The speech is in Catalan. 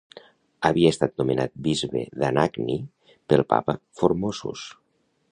Havia estat nomenat bisbe d'Anagni pel Papa Formosus.